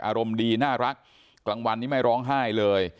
อารมณ์ดีน่ารักกลางวันนี้ไม่ร้องไห้เลย